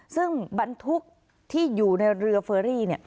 ซึ่งบรรทุกที่อยู่ในเรือเฟอรี่